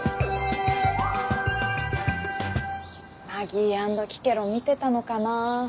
マギー＆キケロ見てたのかな。